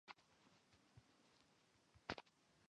最先发现的裂变反应是由中子引发的裂变。